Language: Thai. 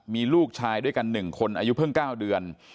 มีลูกชายด้วยกัน๑คนอายุเพิ่ง๙เดือน